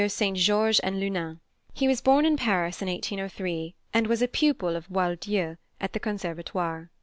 Saint Georges and Leunen. He was born in Paris in 1803, and was a pupil of Boieldieu at the Conservatoire.